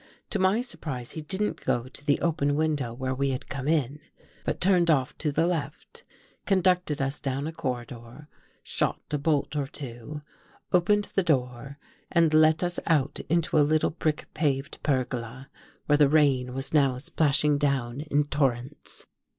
To I my surprise, he didn't go to the open window where we had come in, but turned off to the left, conducted | us down a corridor, shot a bolt or two, opened the ' door and let us out into a little brick paved pergola where the rain was now splashing down in torrents.